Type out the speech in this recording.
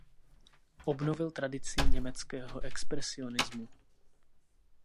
Obnovil tradici německého expresionismu.